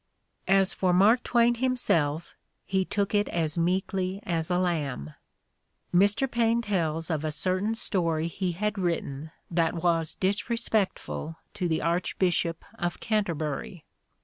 As for Mark Twain himself, he took it as meekly as a lamb. Mr. Paine tells of a certain story he had written that was disrespectful to the Archbishop of Canterbury.